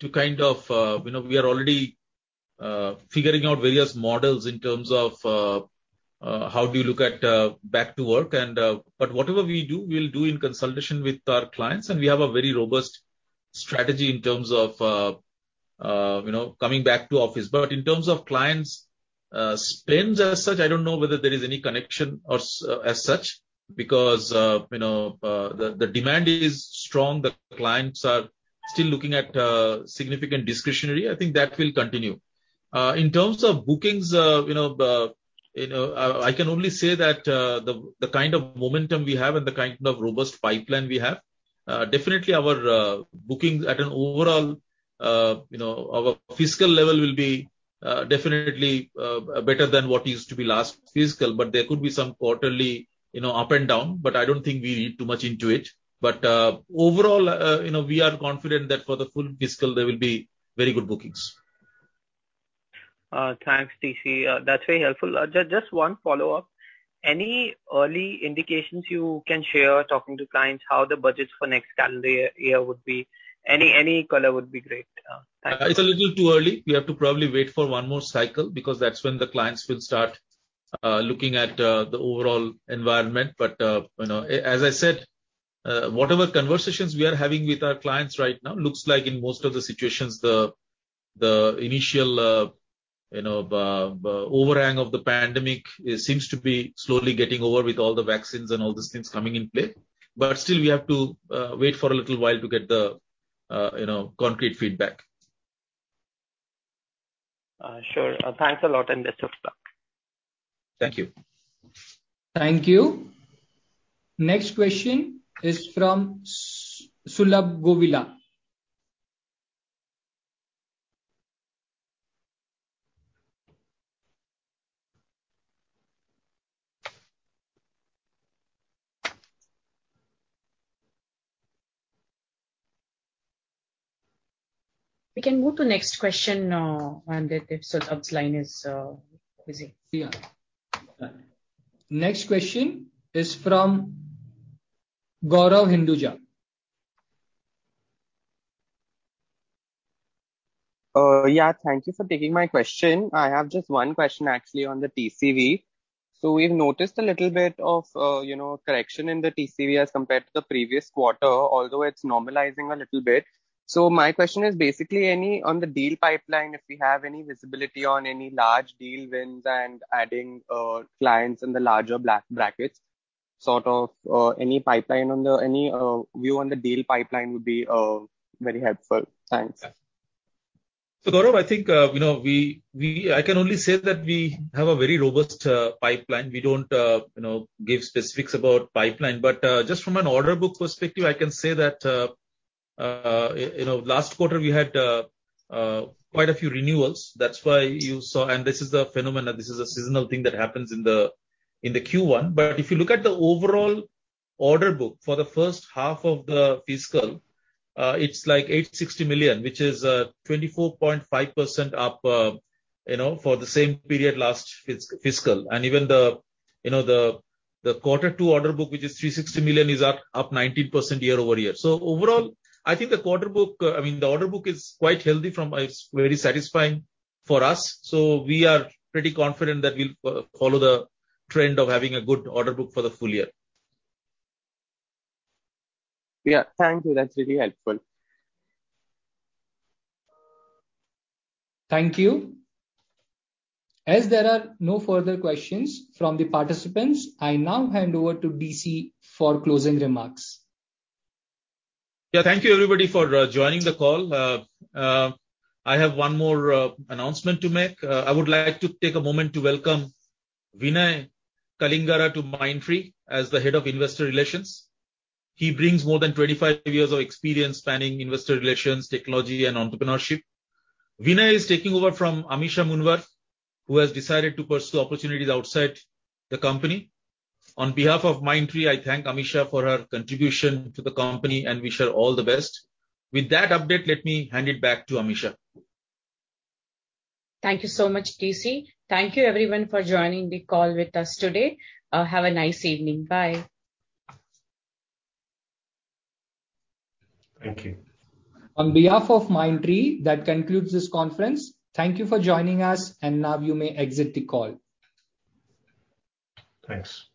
to We are already figuring out various models in terms of how do you look at back to work. Whatever we do, we'll do in consultation with our clients, and we have a very robust strategy in terms of coming back to office. In terms of clients' spends as such, I don't know whether there is any connection as such because the demand is strong. The clients are still looking at significant discretionary. I think that will continue. In terms of bookings, I can only say that the kind of momentum we have and the kind of robust pipeline we have, definitely our bookings at an overall fiscal level will be definitely better than what used to be last fiscal. There could be some quarterly up and down, but I don't think we read too much into it. Overall, we are confident that for the full fiscal, there will be very good bookings. Thanks, DC. That's very helpful. Just one follow-up. Any early indications you can share, talking to clients, how the budgets for next calendar year would be? Any color would be great. Thanks. It's a little too early. We have to probably wait for one more cycle because that's when the clients will start looking at the overall environment. As I said, whatever conversations we are having with our clients right now looks like in most of the situations, the initial overhang of the pandemic seems to be slowly getting over with all the vaccines and all these things coming in play. Still, we have to wait for a little while to get the concrete feedback. Sure. Thanks a lot, and best of luck. Thank you. Thank you. Next question is from Sulabh Govila. We can move to next question if Sulabh's line is busy. Yeah. Next question is from Gaurav Hinduja. Yeah. Thank you for taking my question. I have just one question actually on the TCV. We've noticed a little bit of correction in the TCV as compared to the previous quarter, although it's normalizing a little bit. My question is basically on the deal pipeline, if we have any visibility on any large deal wins and adding clients in the larger brackets, sort of any pipeline. Any view on the deal pipeline would be very helpful. Thanks. Gaurav, I think I can only say that we have a very robust pipeline. We don't give specifics about pipeline. Just from an order book perspective, I can say that. Last quarter we had quite a few renewals. That's why you saw, and this is the phenomenon, this is a seasonal thing that happens in the Q1. If you look at the overall order book for the first half of the fiscal, it's like 860 million, which is 24.5% up for the same period last fiscal. Even the quarter two order book, which is 360 million, is up 19% year-over-year. Overall, I think the order book is quite healthy, it's very satisfying for us. We are pretty confident that we'll follow the trend of having a good order book for the full year. Yeah. Thank you. That's really helpful. Thank you. As there are no further questions from the participants, I now hand over to DC for closing remarks. Yeah. Thank you everybody for joining the call. I have one more announcement to make. I would like to take a moment to welcome Vinay Kalingara to Mindtree as the Head of Investor Relations. He brings more than 25 years of experience spanning investor relations, technology, and entrepreneurship. Vinay is taking over from Amisha Munvar, who has decided to pursue opportunities outside the company. On behalf of Mindtree, I thank Amisha for her contribution to the company, and wish her all the best. With that update, let me hand it back to Amisha. Thank you so much, DC. Thank you everyone for joining the call with us today. Have a nice evening. Bye. Thank you. On behalf of Mindtree, that concludes this conference. Thank you for joining us, and now you may exit the call. Thanks.